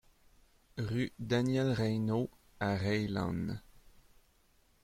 Rue Daniel Reynaud à Reillanne